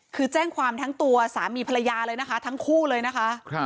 คือแจ้งความทั้งตัวสามีภรรยาเลยนะคะทั้งคู่เลยนะคะ